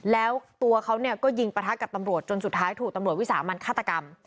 แล้วตัวเขาก็ยิงประทะกับตำรวจจนสุดท้ายถูกตำรวจวิสามันฆาตกรรม